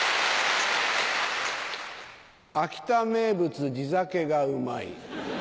秋田名物地酒がうまい。